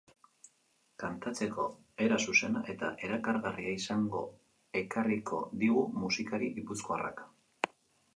Kantatzeko era zuzena eta erakargarria izango ekarriko digumusikari gipuzkoarrak.